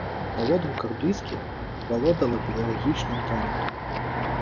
Па водгуках блізкіх, валодала педагагічным талентам.